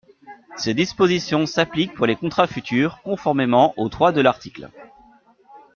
Ces dispositions s’appliquent pour les contrats futurs, conformément au trois de l’article.